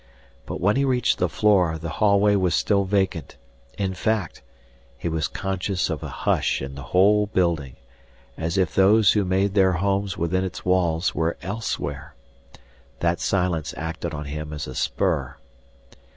But when he reached the floor, the hallway was still vacant. In fact, he was conscious of a hush in the whole building, as if those who made their homes within its walls were elsewhere. That silence acted on him as a spur.